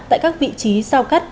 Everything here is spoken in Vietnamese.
tại các vị trí sao cắt